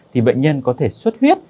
thì bệnh nhân có thể suất huyết